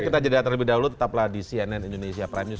kita jeda terlebih dahulu tetaplah di cnn indonesia prime news